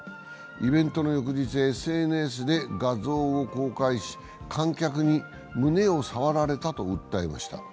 イベントの翌日、ＳＮＳで画像を公開し観客に胸を触られたと訴えました。